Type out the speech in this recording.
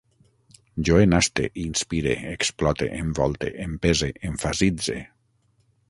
Jo enaste, inspire, explote, envolte, empese, emfasitze